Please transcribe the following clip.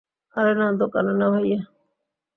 আরে না, দোকানে না, ভাইয়া।